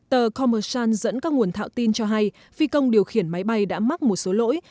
tờ commersant dẫn các nguồn thạo tin cho hay phi công điều khiển máy bay đã mắc một số lỗi